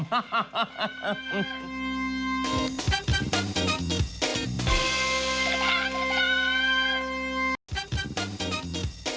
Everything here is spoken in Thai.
นิ๊ก